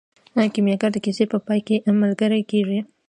کیمیاګر د کیسې په پای کې ملګری کیږي.